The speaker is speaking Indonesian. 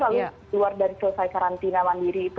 lalu keluar dari selesai karantina mandiri itu